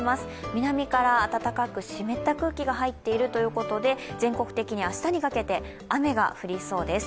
南から暖かく湿った空気が入っているということで、全国的に明日にかけて雨が降りそうです。